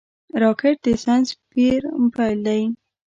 راکټ د ساینس پېر پيل کړ